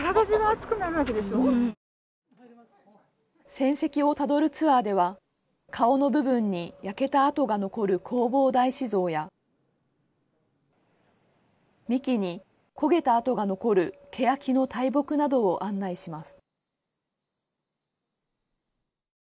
戦跡をたどるツアーでは顔の部分に焼けた跡が残る弘法大師像や幹に焦げた跡が残るけやきの大木などを案内します。